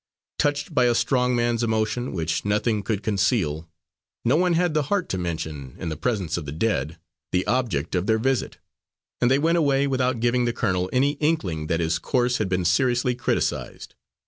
Touched by a strong man's emotion, which nothing could conceal, no one had the heart to mention, in the presence of the dead, the object of their visit, and they went away without giving the colonel any inkling that his course had been seriously criticised.